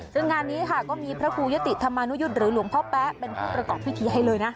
ซึ่งงานนี้ค่ะก็มีพระครูยะติธรรมานุยุทธ์หรือหลวงพ่อแป๊ะเป็นผู้ประกอบพิธีให้เลยนะ